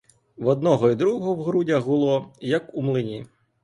В одного і в другого в грудях гуло, як у млині.